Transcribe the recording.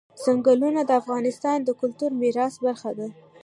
ځنګلونه د افغانستان د کلتوري میراث برخه ده.